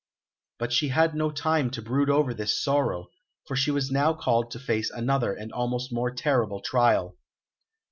But she had no time to brood over this sorrow, for she was now called to face another and almost more terrible trial.